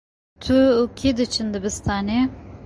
Tu û kî diçin dibistanê?